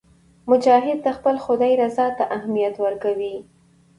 مجاهد د خپل خدای رضا ته اهمیت ورکوي.